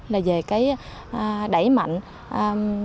là về cái đẩy mạnh của các cá nhân